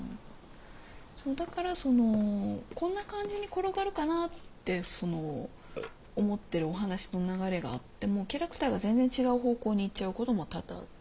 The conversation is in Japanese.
だからその「こんな感じに転がるかな？」って思ってるお話の流れがあってもキャラクターが全然違う方向に行っちゃうことも多々あって。